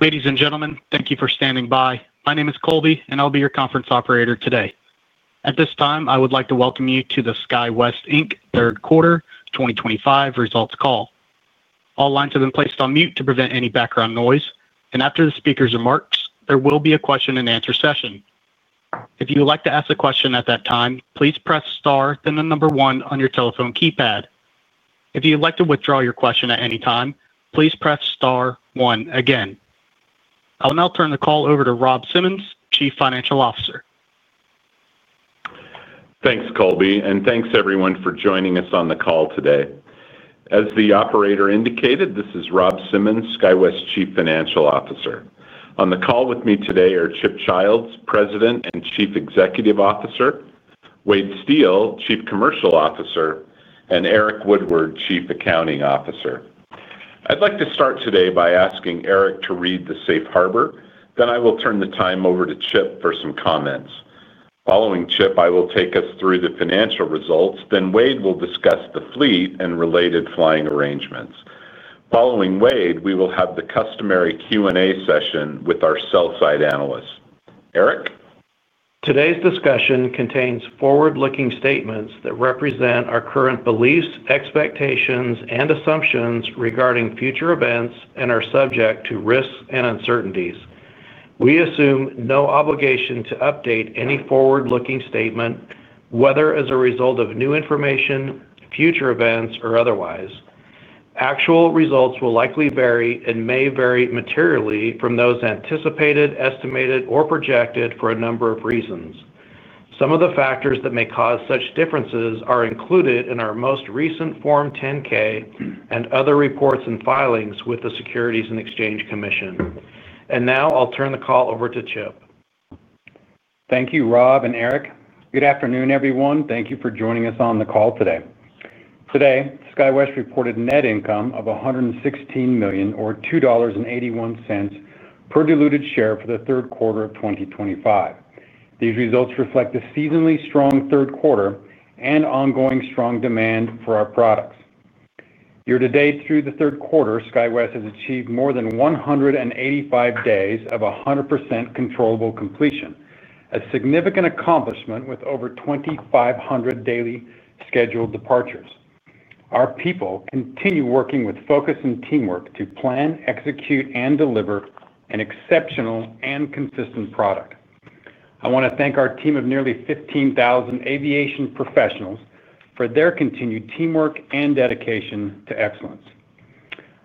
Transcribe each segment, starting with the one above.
Ladies and gentlemen, thank you for standing by. My name is Colby, and I'll be your conference operator today. At this time, I would like to welcome you to the SkyWest Inc Third Quarter 2025 Results Call. All lines have been placed on mute to prevent any background noise, and after the speaker's remarks, there will be a question-and-answer session. If you would like to ask a question at that time, please press star, then the number one on your telephone keypad. If you'd like to withdraw your question at any time, please press star one again. I'll now turn the call over to Rob Simmons, Chief Financial Officer. Thanks, Colby, and thanks everyone for joining us on the call today. As the operator indicated, this is Rob Simmons, SkyWest Chief Financial Officer. On the call with me today are Chip Childs, President and Chief Executive Officer, Wade Steel, Chief Commercial Officer, and Eric Woodward, Chief Accounting Officer. I'd like to start today by asking Eric to read the safe harbor, then I will turn the time over to Chip for some comments. Following Chip, I will take us through the financial results, then Wade will discuss the fleet and related flying arrangements. Following Wade, we will have the customary Q&A session with our sell-side analyst. Eric? Today's discussion contains forward-looking statements that represent our current beliefs, expectations, and assumptions regarding future events and are subject to risks and uncertainties. We assume no obligation to update any forward-looking statement, whether as a result of new information, future events, or otherwise. Actual results will likely vary and may vary materially from those anticipated, estimated, or projected for a number of reasons. Some of the factors that may cause such differences are included in our most recent Form 10-K and other reports and filings with the SEC. Now I'll turn the call over to Chip. Thank you, Rob and Eric. Good afternoon, everyone. Thank you for joining us on the call today. Today, SkyWest reported net income of $116 million, or $2.81 per diluted share for the third quarter of 2025. These results reflect a seasonally strong third quarter and ongoing strong demand for our products. Year-to-date through the third quarter, SkyWest has achieved more than 185 days of 100% controllable completion, a significant accomplishment with over 2,500 daily scheduled departures. Our people continue working with focus and teamwork to plan, execute, and deliver an exceptional and consistent product. I want to thank our team of nearly 15,000 aviation professionals for their continued teamwork and dedication to excellence.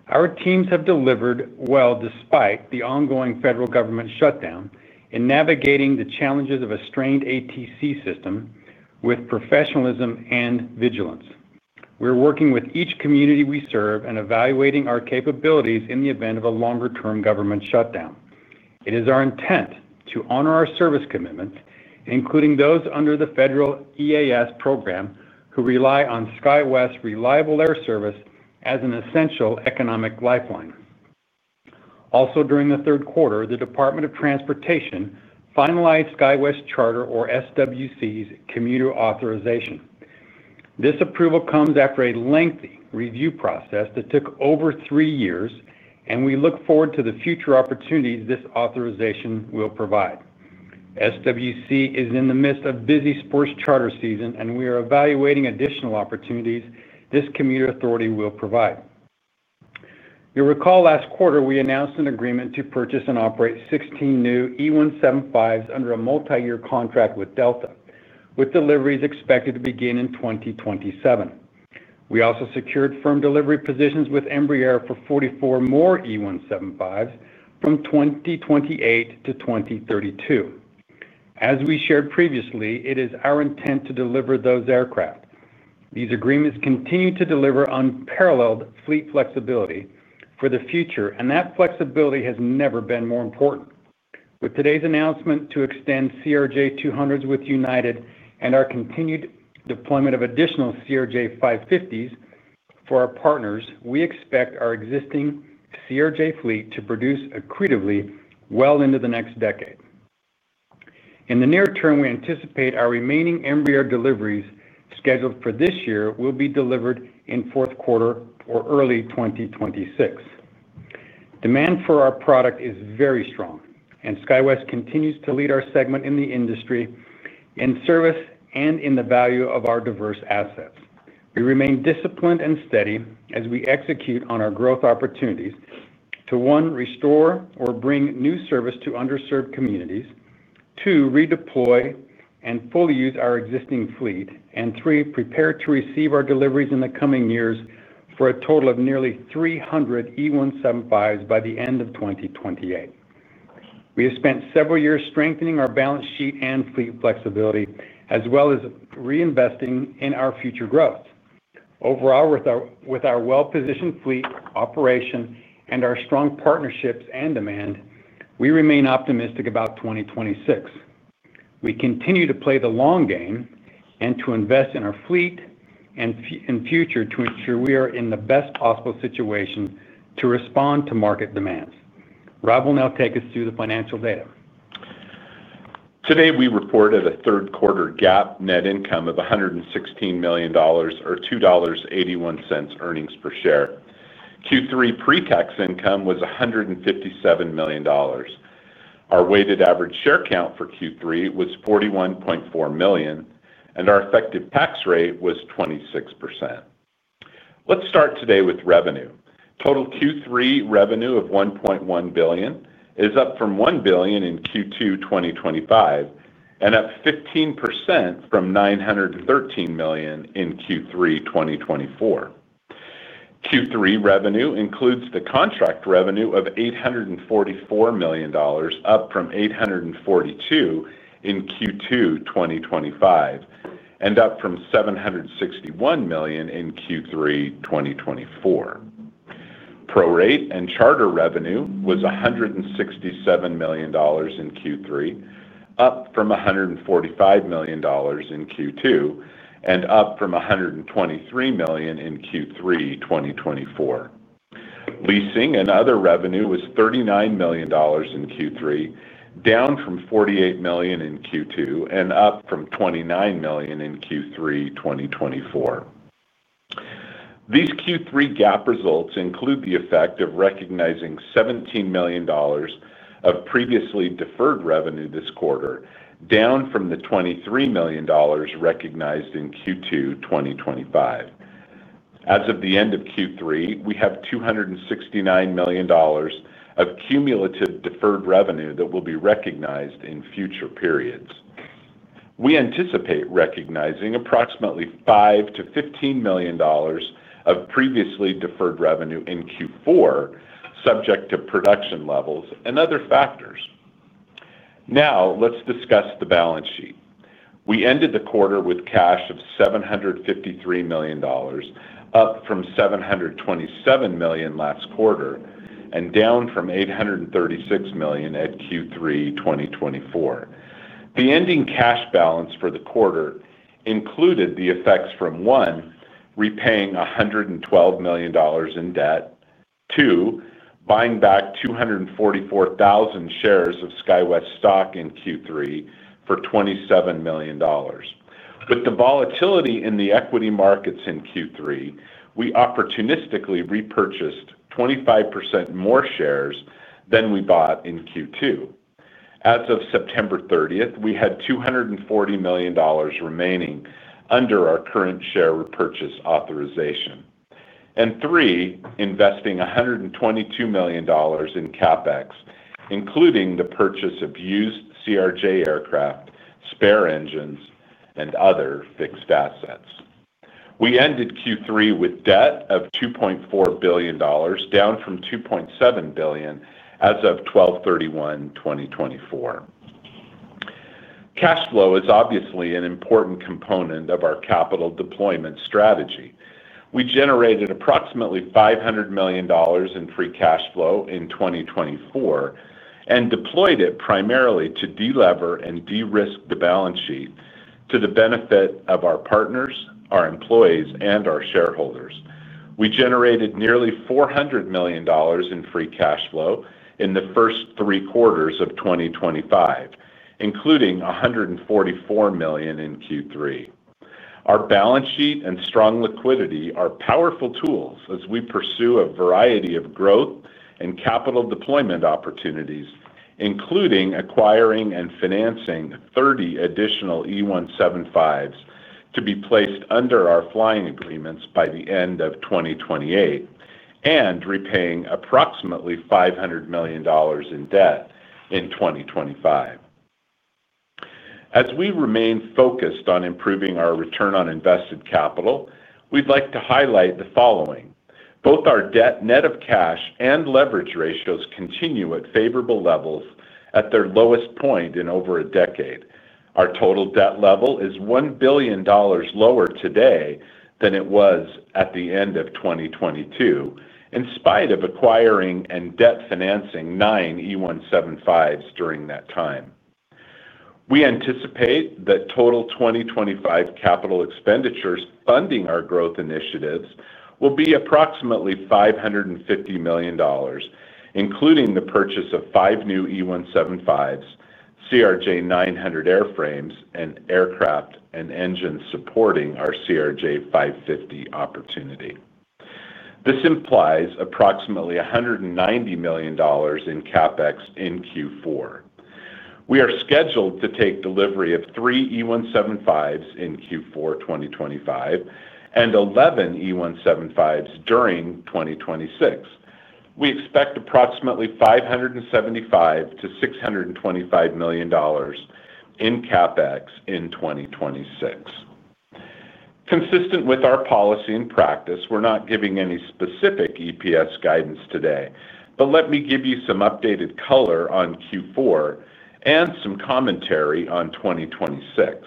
Our teams have delivered well despite the ongoing federal government shutdown in navigating the challenges of a strained ATC system with professionalism and vigilance. We're working with each community we serve and evaluating our capabilities in the event of a longer-term government shutdown. It is our intent to honor our service commitments, including those under the federal EAS program who rely on SkyWest's reliable air service as an essential economic lifeline. Also, during the third quarter, the Department of Transportation finalized SkyWest Charter, or SWC's commuter authorization. This approval comes after a lengthy review process that took over three years, and we look forward to the future opportunities this authorization will provide. SWC is in the midst of busy sports charter season, and we are evaluating additional opportunities this commuter authority will provide. You'll recall last quarter we announced an agreement to purchase and operate 16 new E175s under a multi-year contract with Delta, with deliveries expected to begin in 2027. We also secured firm delivery positions with Embraer for 44 more E175s from 2028 to 2032. As we shared previously, it is our intent to deliver those aircraft. These agreements continue to deliver unparalleled fleet flexibility for the future, and that flexibility has never been more important. With today's announcement to extend CRJ-200s with United and our continued deployment of additional CRJ-550s for our partners, we expect our existing CRJ fleet to produce accretively well into the next decade. In the near term, we anticipate our remaining Embraer deliveries scheduled for this year will be delivered in fourth quarter or early 2026. Demand for our product is very strong, and SkyWest continues to lead our segment in the industry, in service, and in the value of our diverse assets. We remain disciplined and steady as we execute on our growth opportunities to, one, restore or bring new service to underserved communities, two, redeploy and fully use our existing fleet, and three, prepare to receive our deliveries in the coming years for a total of nearly 300 E175s by the end of 2028. We have spent several years strengthening our balance sheet and fleet flexibility, as well as reinvesting in our future growth. Overall, with our well-positioned fleet operation and our strong partnerships and demand, we remain optimistic about 2026. We continue to play the long game and to invest in our fleet and in future to ensure we are in the best possible situation to respond to market demands. Rob will now take us through the financial data. Today, we reported a third-quarter GAAP net income of $116 million, or $2.81 earnings per share. Q3 pre-tax income was $157 million. Our weighted average share count for Q3 was 41.4 million, and our effective tax rate was 26%. Let's start today with revenue. Total Q3 revenue of $1.1 billion is up from $1 billion in Q2 2025 and up 15% from $913 million in Q3 2024. Q3 revenue includes the contract revenue of $844 million, up from $842 million in Q2 2025 and up from $761 million in Q3 2024. Pro-rate and charter revenue was $167 million in Q3, up from $145 million in Q2, and up from $123 million in Q3 2024. Leasing and other revenue was $39 million in Q3, down from $48 million in Q2, and up from $29 million in Q3 2024. These Q3 GAAP results include the effect of recognizing $17 million of previously deferred revenue this quarter, down from the $23 million recognized in Q2 2025. As of the end of Q3, we have $269 million of cumulative deferred revenue that will be recognized in future periods. We anticipate recognizing approximately $5 million-$15 million of previously deferred revenue in Q4, subject to production levels and other factors. Now, let's discuss the balance sheet. We ended the quarter with cash of $753 million, up from $727 million last quarter and down from $836 million at Q3 2024. The ending cash balance for the quarter included the effects from, one, repaying $112 million in debt, two, buying back 244,000 shares of SkyWest stock in Q3 for $27 million. With the volatility in the equity markets in Q3, we opportunistically repurchased 25% more shares than we bought in Q2. As of September 30, we had $240 million remaining under our current share repurchase authorization. Three, investing $122 million in CapEx, including the purchase of used CRJ aircraft, spare engines, and other fixed assets. We ended Q3 with debt of $2.4 billion, down from $2.7 billion as of 12/31/2024. Cash flow is obviously an important component of our capital deployment strategy. We generated approximately $500 million in free cash flow in 2024 and deployed it primarily to delever and de-risk the balance sheet to the benefit of our partners, our employees, and our shareholders. We generated nearly $400 million in free cash flow in the first three quarters of 2025, including $144 million in Q3. Our balance sheet and strong liquidity are powerful tools as we pursue a variety of growth and capital deployment opportunities, including acquiring and financing 30 additional E175s to be placed under our flying agreements by the end of 2028 and repaying approximately $500 million in debt in 2025. As we remain focused on improving our return on invested capital, we'd like to highlight the following. Both our debt net of cash and leverage ratios continue at favorable levels at their lowest point in over a decade. Our total debt level is $1 billion lower today than it was at the end of 2022, in spite of acquiring and debt financing nine E175s during that time. We anticipate that total 2025 capital expenditures funding our growth initiatives will be approximately $550 million, including the purchase of five new E175s, CRJ-900 airframes, and aircraft and engines supporting our CRJ-550 opportunity. This implies approximately $190 million in CapEx in Q4. We are scheduled to take delivery of three E175s in Q4 2025 and 11 E175s during 2026. We expect approximately $575-$625 million in CapEx in 2026. Consistent with our policy and practice, we're not giving any specific EPS guidance today, but let me give you some updated color on Q4 and some commentary on 2026.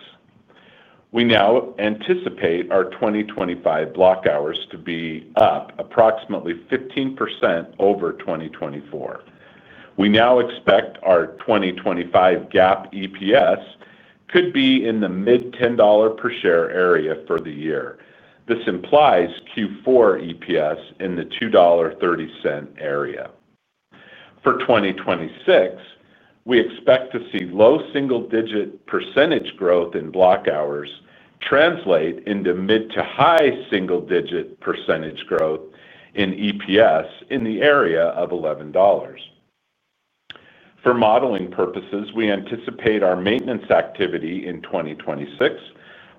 We now anticipate our 2025 block hours to be up approximately 15% over 2024. We now expect our 2025 GAAP EPS could be in the mid-$10 per share area for the year. This implies Q4 EPS in the $2.30 area. For 2026, we expect to see low single-digit percentage growth in block hours translate into mid to high single-digit percentage growth in EPS in the area of $11. For modeling purposes, we anticipate our maintenance activity in 2026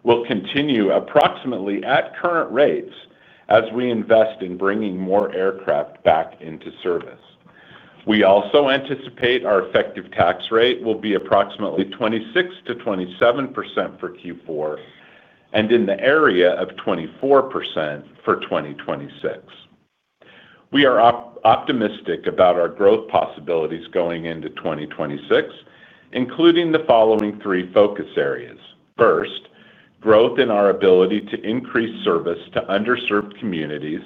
will continue approximately at current rates as we invest in bringing more aircraft back into service. We also anticipate our effective tax rate will be approximately 26%-27% for Q4 and in the area of 24% for 2026. We are optimistic about our growth possibilities going into 2026, including the following three focus areas. First, growth in our ability to increase service to underserved communities,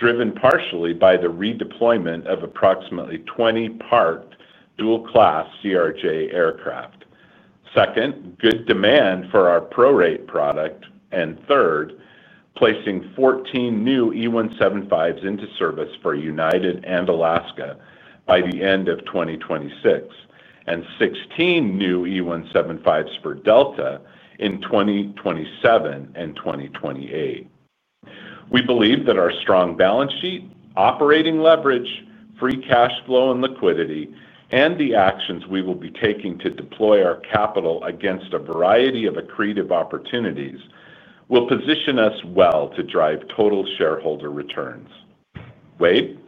driven partially by the redeployment of approximately 20 parked dual-class CRJ aircraft. Second, good demand for our pro-rate product. Third, placing 14 new E175s into service for United and Alaska by the end of 2026 and 16 new E175s for Delta in 2027 and 2028. We believe that our strong balance sheet, operating leverage, free cash flow and liquidity, and the actions we will be taking to deploy our capital against a variety of accretive opportunities will position us well to drive total shareholder returns. Wade?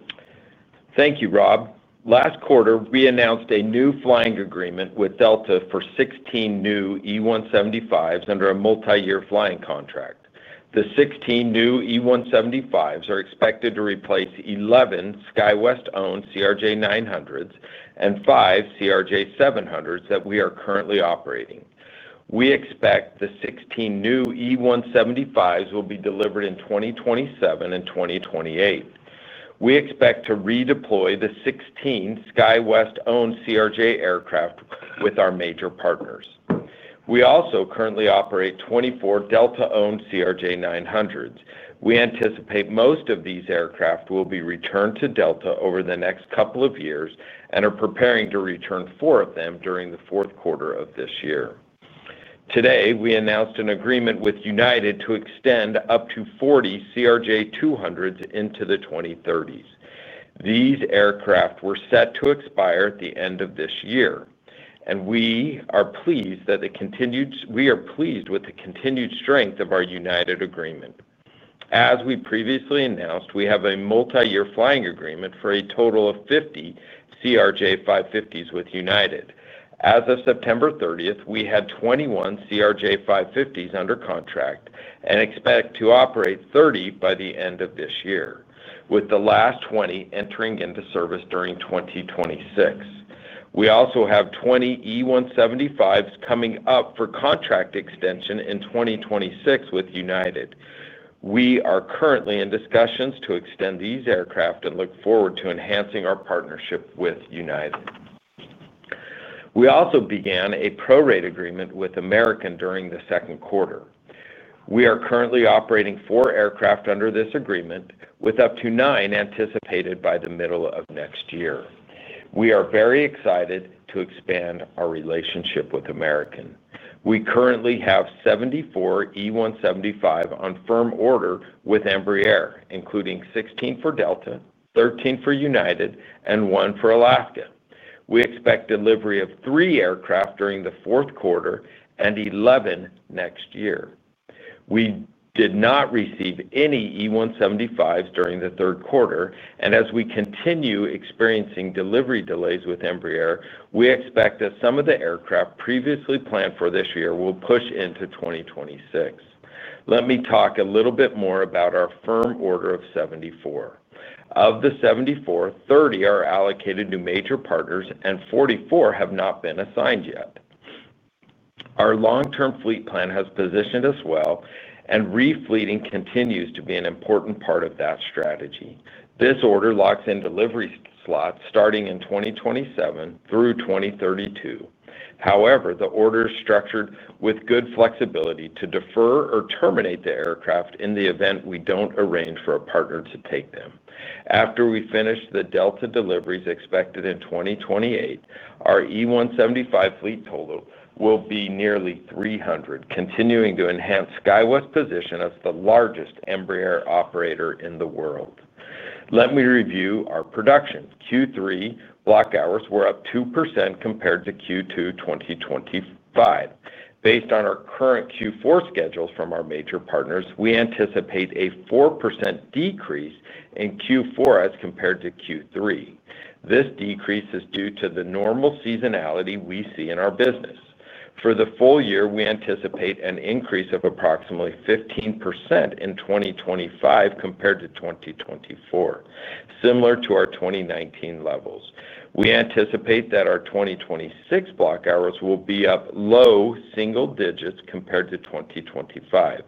Thank you, Rob. Last quarter, we announced a new flying agreement with Delta for 16 new E175s under a multi-year flying contract. The 16 new E175s are expected to replace 11 SkyWest-owned CRJ-900s and five CRJ-700s that we are currently operating. We expect the 16 new E175s will be delivered in 2027 and 2028. We expect to redeploy the 16 SkyWest-owned CRJ aircraft with our major partners. We also currently operate 24 Delta-owned CRJ-900s. We anticipate most of these aircraft will be returned to Delta over the next couple of years and are preparing to return four of them during the fourth quarter of this year. Today, we announced an agreement with United to extend up to 40 CRJ200s into the 2030s. These aircraft were set to expire at the end of this year, and we are pleased with the continued strength of our United agreement. As we previously announced, we have a multi-year flying agreement for a total of 50 CRJ-550s with United. As of September 30, we had 21 CRJ-550s under contract and expect to operate 30 by the end of this year, with the last 20 entering into service during 2026. We also have 20 E175s coming up for contract extension in 2026 with United. We are currently in discussions to extend these aircraft and look forward to enhancing our partnership with United. We also began a pro-rate agreement with American during the second quarter. We are currently operating four aircraft under this agreement, with up to nine anticipated by the middle of next year. We are very excited to expand our relationship with American. We currently have 74 E175s on firm order with Embraer, including 16 for Delta, 13 for United, and one for Alaska. We expect delivery of three aircraft during the fourth quarter and 11 next year. We did not receive any E175s during the third quarter, and as we continue experiencing delivery delays with Embraer, we expect that some of the aircraft previously planned for this year will push into 2026. Let me talk a little bit more about our firm order of 74. Of the 74, 30 are allocated to major partners, and 44 have not been assigned yet. Our long-term fleet plan has positioned us well, and refleeting continues to be an important part of that strategy. This order locks in delivery slots starting in 2027 through 2032. However, the order is structured with good flexibility to defer or terminate the aircraft in the event we don't arrange for a partner to take them. After we finish the Delta deliveries expected in 2028, our E175 fleet total will be nearly 300, continuing to enhance SkyWest's position as the largest Embraer operator in the world. Let me review our production. Q3 block hours were up 2% compared to Q2 2025. Based on our current Q4 schedules from our major partners, we anticipate a 4% decrease in Q4 as compared to Q3. This decrease is due to the normal seasonality we see in our business. For the full year, we anticipate an increase of approximately 15% in 2025 compared to 2024, similar to our 2019 levels. We anticipate that our 2026 block hours will be up low single-digits compared to 2025.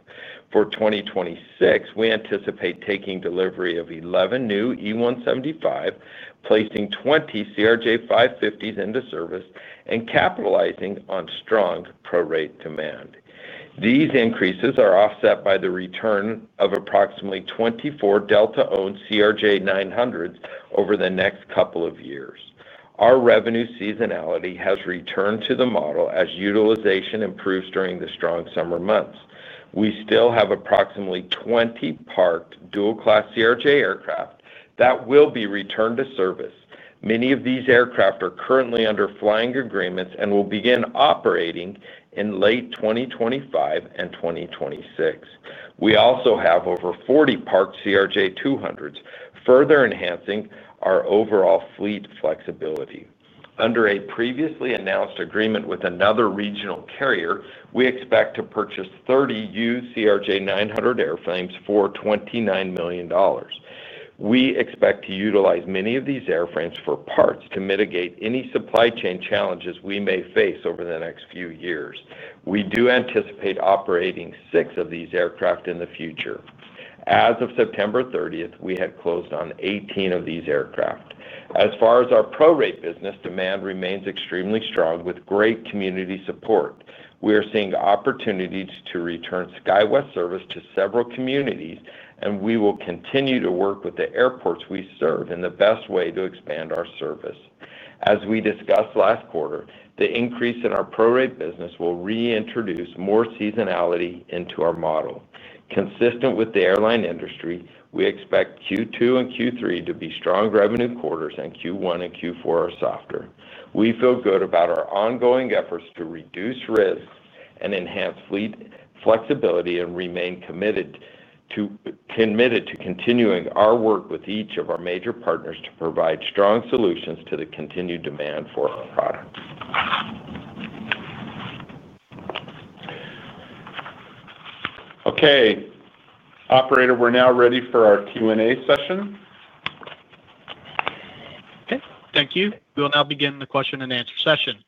For 2026, we anticipate taking delivery of 11 new E175s, placing 20 CRJ-550s into service, and capitalizing on strong pro-rate demand. These increases are offset by the return of approximately 24 Delta-owned CRJ-900s over the next couple of years. Our revenue seasonality has returned to the model as utilization improves during the strong summer months. We still have approximately 20 parked dual-class CRJ aircraft that will be returned to service. Many of these aircraft are currently under flying agreements and will begin operating in late 2025 and 2026. We also have over 40 parked CRJ-200s, further enhancing our overall fleet flexibility. Under a previously announced agreement with another regional carrier, we expect to purchase 30 used CRJ-900 airframes for $29 million. We expect to utilize many of these airframes for parts to mitigate any supply chain challenges we may face over the next few years. We do anticipate operating six of these aircraft in the future. As of September 30, we had closed on 18 of these aircraft. As far as our pro-rate business, demand remains extremely strong with great community support. We are seeing opportunities to return SkyWest service to several communities, and we will continue to work with the airports we serve in the best way to expand our service. As we discussed last quarter, the increase in our pro-rate business will reintroduce more seasonality into our model. Consistent with the airline industry, we expect Q2 and Q3 to be strong revenue quarters, and Q1 and Q4 are softer. We feel good about our ongoing efforts to reduce risk and enhance fleet flexibility and remain committed to continuing our work with each of our major partners to provide strong solutions to the continued demand for our product. Operator, we're now ready for our Q&A session. Thank you. We'll now begin the question and answer session.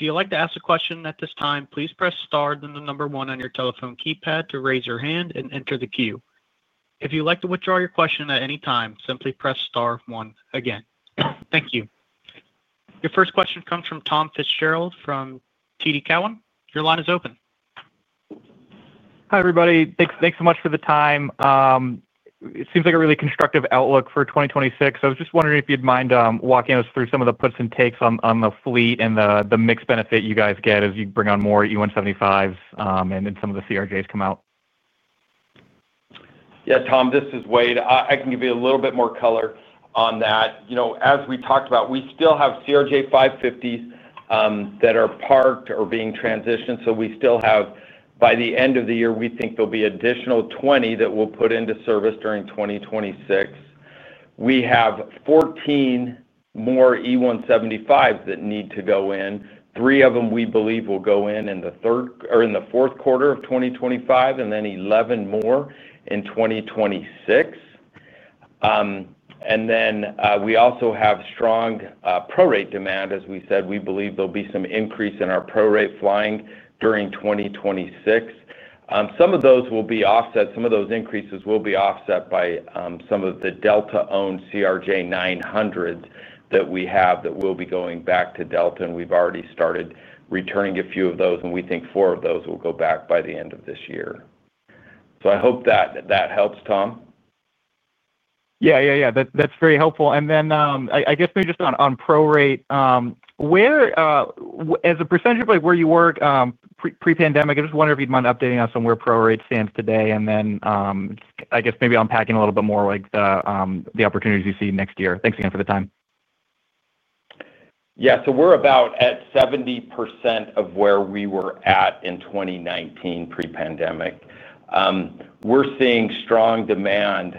If you'd like to ask a question at this time, please press star then the number one on your telephone keypad to raise your hand and enter the queue. If you'd like to withdraw your question at any time, simply press star one again. Thank you. Your first question comes from Tom Fitzgerald from TD Cowen. Your line is open. Hi, everybody. Thanks so much for the time. It seems like a really constructive outlook for 2026. I was just wondering if you'd mind walking us through some of the puts and takes on the fleet and the mixed benefit you guys get as you bring on more E175s and then some of the CRJs come out. Yeah, Tom, this is Wade. I can give you a little bit more color on that. As we talked about, we still have CRJ-550s that are parked or being transitioned, so we still have, by the end of the year, we think there'll be an additional 20 that we'll put into service during 2026. We have 14 more E175s that need to go in. Three of them we believe will go in the fourth quarter of 2025, and then 11 more in 2026. We also have strong pro-rate demand. As we said, we believe there'll be some increase in our pro-rate flying during 2026. Some of those increases will be offset by some of the Delta-owned CRJ-900s that we have that will be going back to Delta, and we've already started returning a few of those, and we think four of those will go back by the end of this year. I hope that helps, Tom. Yeah, that's very helpful. I guess maybe just on pro-rate. As a percentage of where you were pre-pandemic, I just wonder if you'd mind updating us on where pro-rate stands today and maybe unpacking a little bit more the opportunities you see next year. Thanks again for the time. Yeah. We're about at 70% of where we were at in 2019 pre-pandemic. We're seeing strong demand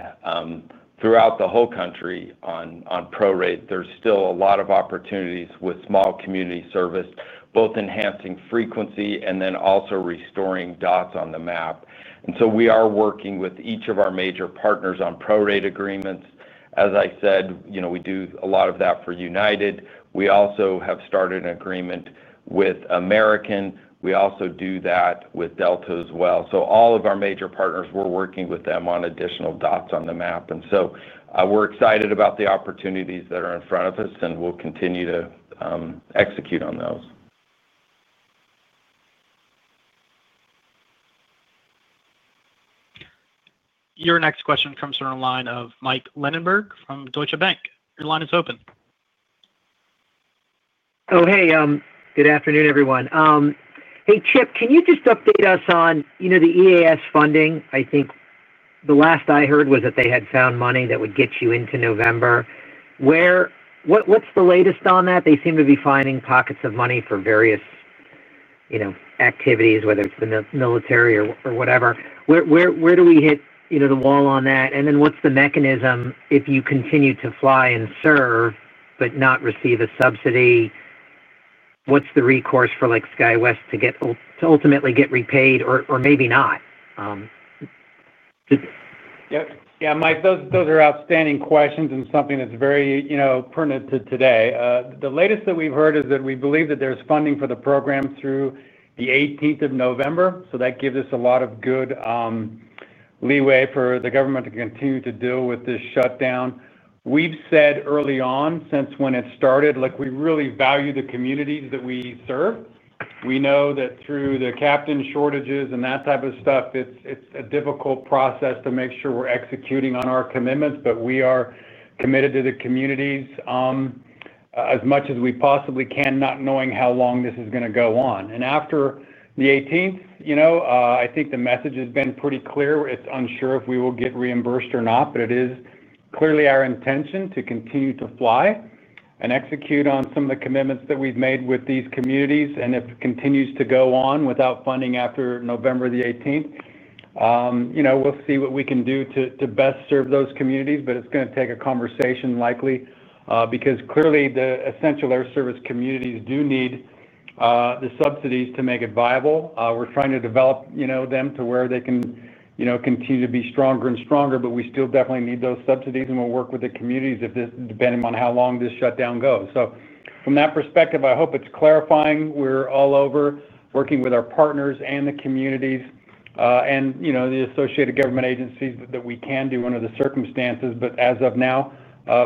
throughout the whole country on pro-rate. There's still a lot of opportunities with small community service, both enhancing frequency and also restoring dots on the map. We are working with each of our major partners on pro-rate agreements. As I said, we do a lot of that for United. We also have started an agreement with American. We also do that with Delta as well. All of our major partners, we're working with them on additional dots on the map. We're excited about the opportunities that are in front of us, and we'll continue to execute on those. Your next question comes from a line of Mike Lindenberg from Deutsche Bank. Your line is open. Oh, hey. Good afternoon, everyone. Hey, Chip, can you just update us on the Essential Air Service funding? I think the last I heard was that they had found money that would get you into November. What's the latest on that? They seem to be finding pockets of money for various activities, whether it's the military or whatever. Where do we hit the wall on that? What's the mechanism if you continue to fly and serve but not receive a subsidy? What's the recourse for SkyWest to ultimately get repaid or maybe not? Yeah. Yeah, Mike, those are outstanding questions and something that's very pertinent to today. The latest that we've heard is that we believe that there's funding for the program through the 18th of November. That gives us a lot of good leeway for the government to continue to deal with this shutdown. We've said early on since when it started, we really value the communities that we serve. We know that through the captain shortages and that type of stuff, it's a difficult process to make sure we're executing on our commitments, but we are committed to the communities as much as we possibly can, not knowing how long this is going to go on. After the 18th, I think the message has been pretty clear. It's unsure if we will get reimbursed or not, but it is clearly our intention to continue to fly and execute on some of the commitments that we've made with these communities. If it continues to go on without funding after November the 18th, we'll see what we can do to best serve those communities, but it's going to take a conversation likely because clearly the Essential Air Service communities do need the subsidies to make it viable. We're trying to develop them to where they can continue to be stronger and stronger, but we still definitely need those subsidies and we'll work with the communities depending on how long this shutdown goes. From that perspective, I hope it's clarifying. We're all over working with our partners and the communities and the associated government agencies that we can do under the circumstances. As of now,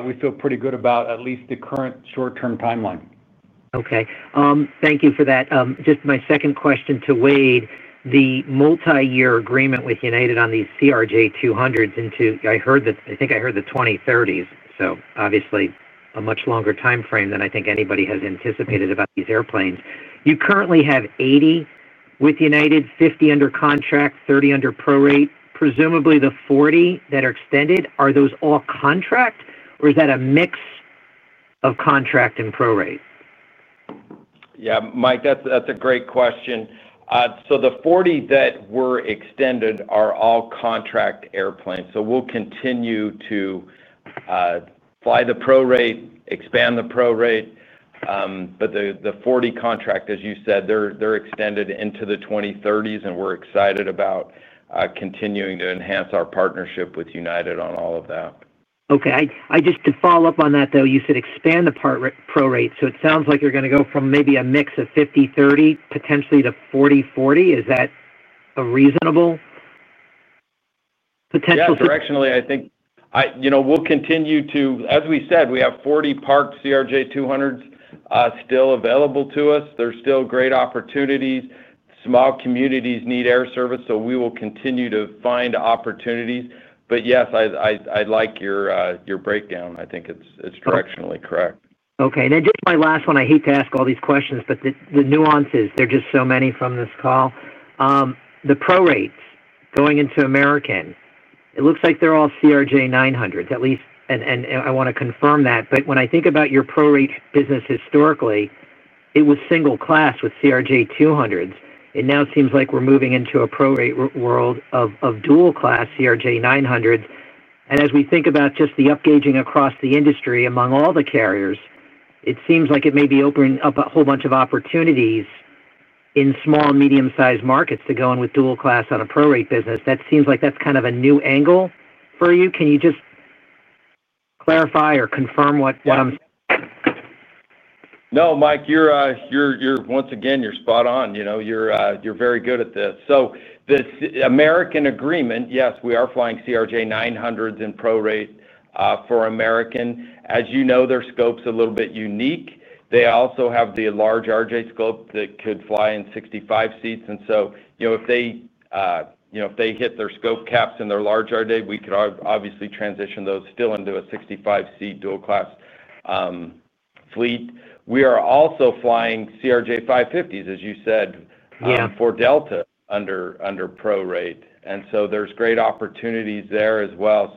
we feel pretty good about at least the current short-term timeline. Thank you for that. Just my second question to Wade. The multi-year agreement with United on these CRJ-200s into, I think I heard the 2030s, so obviously a much longer timeframe than I think anybody has anticipated about these airplanes. You currently have 80 with United, 50 under contract, 30 under pro-rate. Presumably the 40 that are extended, are those all contract, or is that a mix of contract and pro-rate? Yeah, Mike, that's a great question. The 40 that were extended are all contract airplanes. We will continue to fly the pro-rate, expand the pro-rate. The 40 contract, as you said, they're extended into the 2030s, and we're excited about continuing to enhance our partnership with United on all of that. Just to follow up on that, though, you said expand the pro-rate. It sounds like you're going to go from maybe a mix of 50/30 potentially to 40/40. Is that a reasonable potential? Yeah, directionally, I think we'll continue to, as we said, we have 40 parked CRJ-200s still available to us. There are still great opportunities. Small communities need air service, so we will continue to find opportunities. Yes, I like your breakdown. I think it's directionally correct. My last one. I hate to ask all these questions, but the nuances, there are just so many from this call. The pro-rates going into American, it looks like they're all CRJ-900s, at least, and I want to confirm that. When I think about your pro-rate business historically, it was single class with CRJ-200s. It now seems like we're moving into a pro-rate world of dual class CRJ-900s. As we think about just the upgaging across the industry among all the carriers, it seems like it may be opening up a whole bunch of opportunities in small, medium-sized markets to go in with dual class on a pro-rate business. That seems like that's kind of a new angle for you. Can you just clarify or confirm what I'm saying? No, Mike, once again, you're spot on. You're very good at this. The American agreement, yes, we are flying CRJ-900s in pro-rate for American Airlines. As you know, their scope's a little bit unique. They also have the large RJ scope that could fly in 65 seats. If they hit their scope caps in their large RJ, we could obviously transition those still into a 65-seat dual class fleet. We are also flying CRJ-550s, as you said, for Delta under pro-rate. There are great opportunities there as well.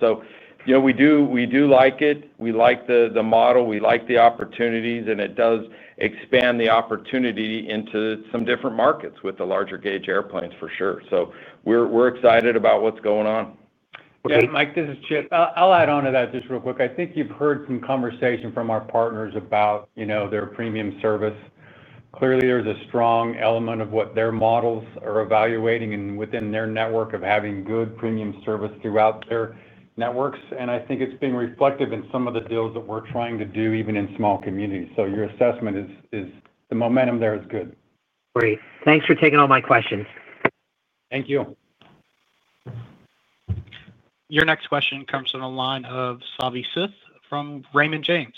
We do like it. We like the model. We like the opportunities, and it does expand the opportunity into some different markets with the larger gauge airplanes, for sure. We are excited about what's going on. Okay Mike, this is Chip. I'll add on to that just real quick. I think you've heard some conversation from our partners about their premium service. Clearly, there's a strong element of what their models are evaluating and within their network of having good premium service throughout their networks. I think it's been reflective in some of the deals that we're trying to do even in small communities. Your assessment is the momentum there is good. Great. Thanks for taking all my questions. Thank you. Your next question comes from the line of Savi Syth from Raymond James.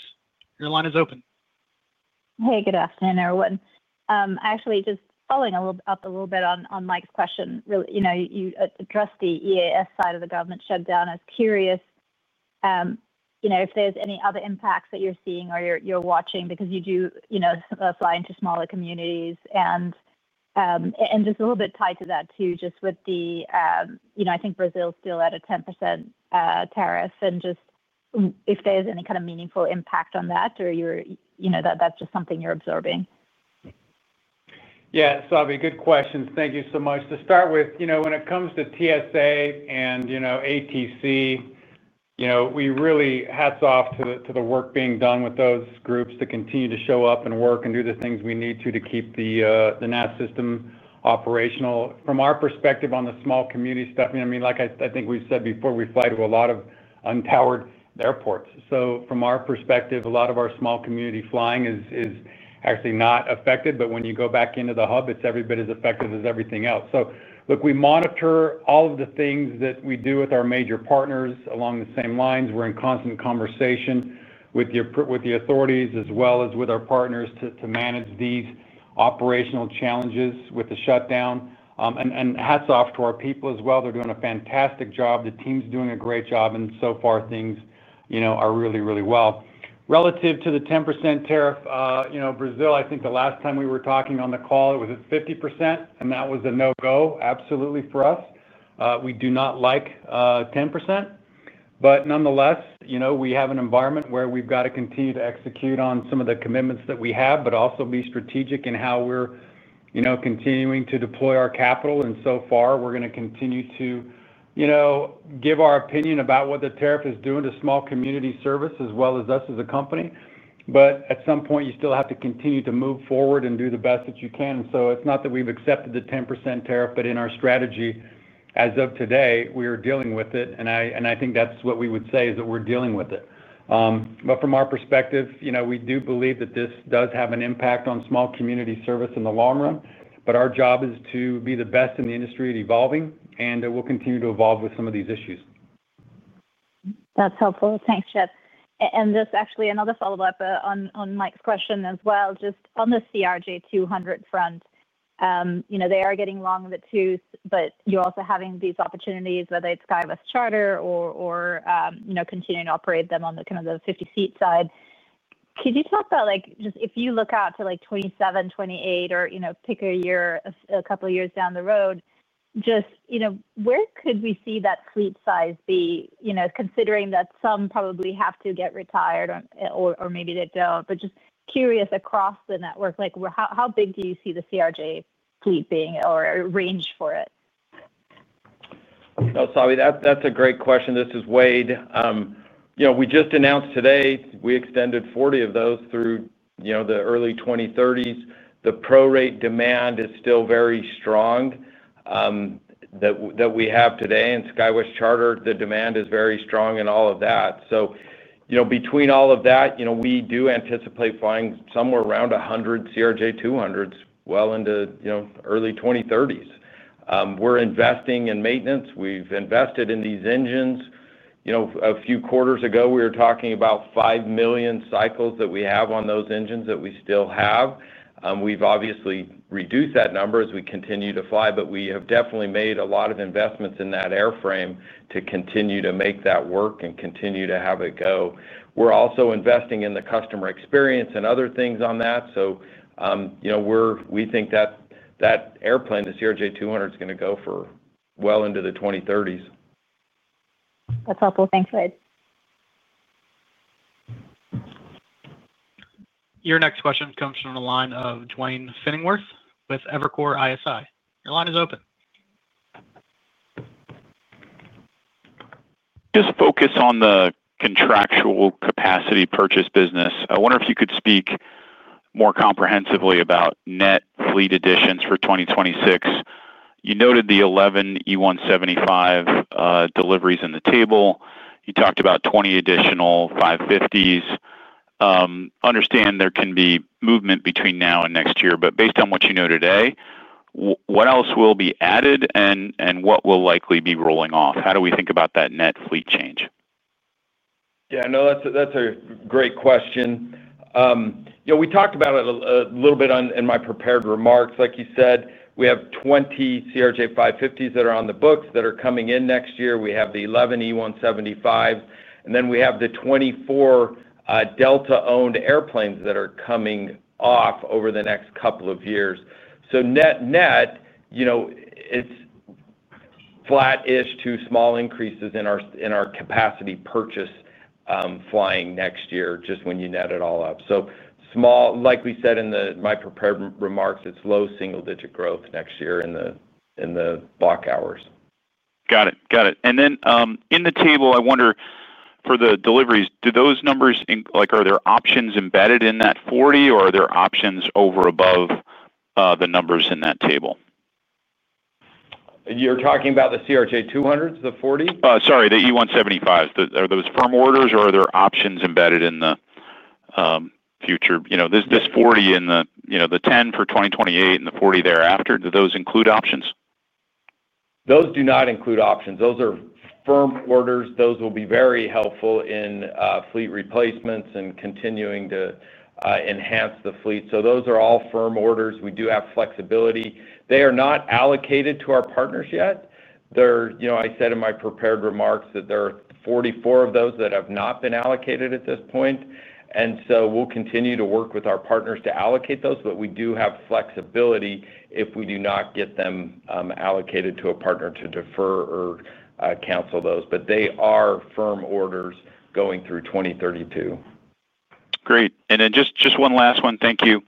Your line is open. Hey, good afternoon, everyone. Actually, just following up a little bit on Mike's question, you addressed the EAS side of the government shutdown. I was curious if there's any other impacts that you're seeing or you're watching because you do fly into smaller communities. Just a little bit tied to that too, just with the, I think Brazil's still at a 10% tariff, and just if there's any kind of meaningful impact on that or that's just something you're observing. Yeah, Savi, good questions. Thank you so much. To start with, when it comes to TSA and ATC, we really hats off to the work being done with those groups to continue to show up and work and do the things we need to to keep the NAS system operational. From our perspective on the small community stuff, like I think we've said before, we fly to a lot of untowered airports. From our perspective, a lot of our small community flying is actually not affected. When you go back into the hub, it's every bit as effective as everything else. We monitor all of the things that we do with our major partners along the same lines. We're in constant conversation with the authorities as well as with our partners to manage these operational challenges with the shutdown. Hats off to our people as well. They're doing a fantastic job. The team's doing a great job. So far, things are really, really well. Relative to the 10% tariff, Brazil, I think the last time we were talking on the call, it was at 50%, and that was a no-go, absolutely for us. We do not like 10%. Nonetheless, we have an environment where we've got to continue to execute on some of the commitments that we have, but also be strategic in how we're continuing to deploy our capital. So far, we're going to continue to give our opinion about what the tariff is doing to small community service as well as us as a company. At some point, you still have to continue to move forward and do the best that you can. It's not that we've accepted the 10% tariff, but in our strategy as of today, we are dealing with it. I think that's what we would say is that we're dealing with it. From our perspective, we do believe that this does have an impact on small community service in the long run. Our job is to be the best in the industry at evolving, and we'll continue to evolve with some of these issues. That's helpful. Thanks, Chip. Just actually, another follow-up on Mike's question as well. Just on the CRJ-200 front. They are getting long in the tooth, but you're also having these opportunities, whether it's SkyWest Charter or continuing to operate them on the 50-seat side. Could you talk about just if you look out to 2027, 2028, or pick a year, a couple of years down the road, just where could we see that fleet size be, considering that some probably have to get retired or maybe they don't? Just curious across the network, how big do you see the CRJ fleet being or a range for it? Oh, Savi, that's a great question. This is Wade. We just announced today we extended 40 of those through the early 2030s. The pro-rate demand is still very strong that we have today. SkyWest Charter, the demand is very strong in all of that. Between all of that, we do anticipate flying somewhere around 100 CRJ-200s well into early 2030s. We're investing in maintenance. We've invested in these engines. A few quarters ago, we were talking about 5 million cycles that we have on those engines that we still have. We've obviously reduced that number as we continue to fly, but we have definitely made a lot of investments in that airframe to continue to make that work and continue to have it go. We're also investing in the customer experience and other things on that. We think that airplane, the CRJ-200, is going to go for well into the 2030s. That's helpful. Thanks, Wade. Your next question comes from the line of Duane Pfennigwerth with Evercore ISI. Your line is open. Just focus on the contractual capacity purchase business. I wonder if you could speak more comprehensively about net fleet additions for 2026. You noted the 11 E175 deliveries in the table. You talked about 20 additional CRJ-550s. Understand there can be movement between now and next year, but based on what you know today, what else will be added and what will likely be rolling off? How do we think about that net fleet change? Yeah, no, that's a great question. We talked about it a little bit in my prepared remarks. Like you said, we have 20 CRJ-550s that are on the books that are coming in next year. We have the 11 E175s, and then we have the 24 Delta-owned airplanes that are coming off over the next couple of years. Net, it's flat-ish to small increases in our capacity purchase flying next year, just when you net it all up. Like we said in my prepared remarks, it's low single-digit growth next year in the block hours. Got it. Got it. In the table, I wonder, for the deliveries, do those numbers, are there options embedded in that 40, or are there options over above the numbers in that table? You're talking about the CRJ-200s, the 40? Sorry, the E175s. Are those firm orders, or are there options embedded in the future? This 40 in the 10 for 2028 and the 40 thereafter, do those include options? Those do not include options. Those are firm orders. Those will be very helpful in fleet replacements and continuing to enhance the fleet. Those are all firm orders. We do have flexibility. They are not allocated to our partners yet. I said in my prepared remarks that there are 44 of those that have not been allocated at this point. We will continue to work with our partners to allocate those, but we do have flexibility if we do not get them allocated to a partner to defer or cancel those. They are firm orders going through 2032. Great. Just one last one. Thank you.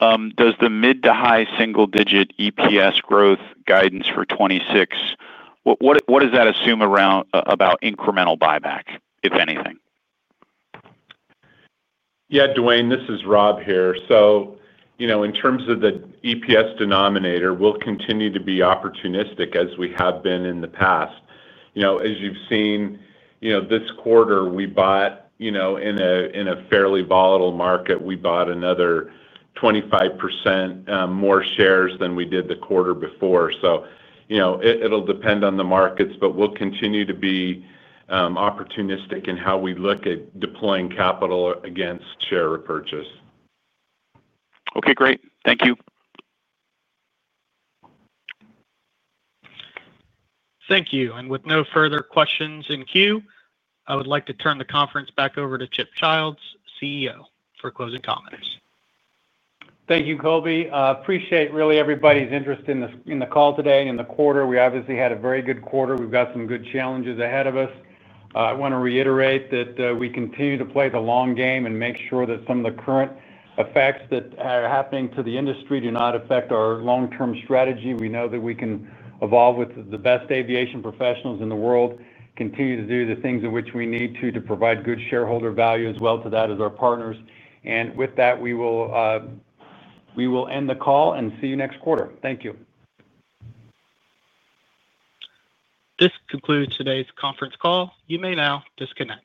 Does the mid to high single-digit EPS growth guidance for 2026, what does that assume about incremental buyback, if anything? Yeah Duane, this is Rob here. In terms of the EPS denominator, we'll continue to be opportunistic as we have been in the past. As you've seen, this quarter, we bought in a fairly volatile market, we bought another 25% more shares than we did the quarter before. It will depend on the markets, but we'll continue to be opportunistic in how we look at deploying capital against share repurchase. Okay, great. Thank you. Thank you. With no further questions in queue, I would like to turn the conference back over to Chip Childs, CEO, for closing comments. Thank you, Kobe. Appreciate really everybody's interest in the call today and in the quarter. We obviously had a very good quarter. We've got some good challenges ahead of us. I want to reiterate that we continue to play the long game and make sure that some of the current effects that are happening to the industry do not affect our long-term strategy. We know that we can evolve with the best aviation professionals in the world, continue to do the things in which we need to, to provide good shareholder value as well to that as our partners. With that, we will end the call and see you next quarter. Thank you. This concludes today's conference call. You may now disconnect.